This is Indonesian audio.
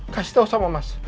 kasih tau sama mas